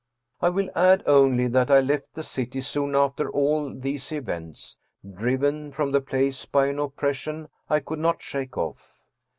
I will add only that 155 German Mystery Stories I left the city soon after all these events, driven from the place by an oppression I could not shake off.